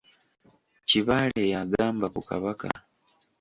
Kibaale y'agamba ku Kabaka.